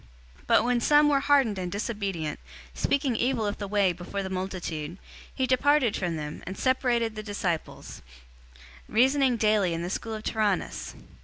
019:009 But when some were hardened and disobedient, speaking evil of the Way before the multitude, he departed from them, and separated the disciples, reasoning daily in the school of Tyrannus.